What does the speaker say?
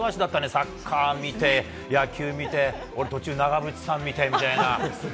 サッカー見て、野球見て途中、長渕さん見てみたいな。